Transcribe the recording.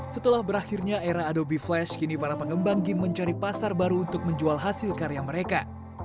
setelah berakhirnya era adoby flash kini para pengembang game mencari pasar baru untuk menjual hasil karya mereka